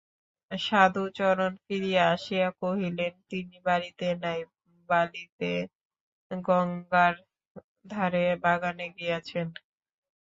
সাধুচরণ ফিরিয়া আসিয়া কহিলেন, তিনি বাড়িতে নাই, বালিতে গঙ্গার ধারে বাগানে গিয়াছেন।